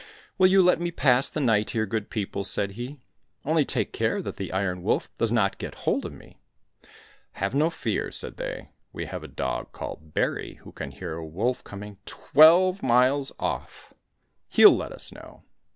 " Will you let me pass the night here, good people ?" said he ;" only take care that the Iron Wolf does not get hold of me !"—" Have no fear !" said they, " we have a dog called Bary, who can hear a wolf coming twelve miles off. He'll let us know."